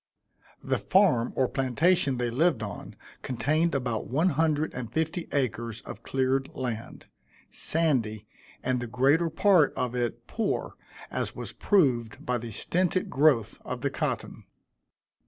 The farm, or plantation, they lived on, contained about one hundred and fifty acres of cleared land, sandy, and the greater part of it poor, as was proved by the stinted growth of the cotton.